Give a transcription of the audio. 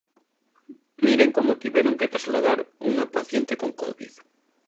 Miren como tiveron que trasladar unha paciente con covid.